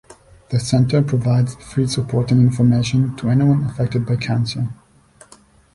The centre provides free support and information to anyone affected by cancer.